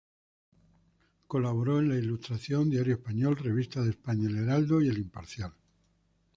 Colaboró en "La Ilustración", "Diario Español", "Revista de España", "El Heraldo" y "El Imparcial".